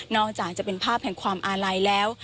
อกจากจะเป็นภาพแห่งความอาลัยแล้ว